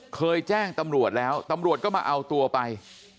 เคยแจ้งตำรวจแล้วตำรวจก็มาเอาตัวไป